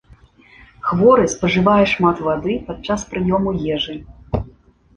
Хворы спажывае шмат вады падчас прыёму ежы.